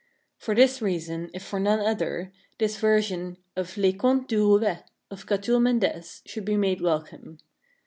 For this reason , if for none other , this version of " Les Contes du Rouet " of Catulle Mendes should be made welcome